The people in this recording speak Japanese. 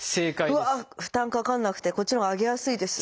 うわ負担かかんなくてこっちのほうが上げやすいです。